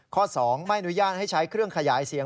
๒ไม่อนุญาตให้ใช้เครื่องขยายเสียง